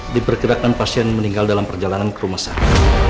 diperkirakan pasien meninggal dalam perjalanan ke rumah sakit